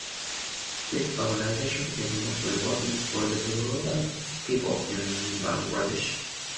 This organization is mostly working for the rural people in Bangladesh.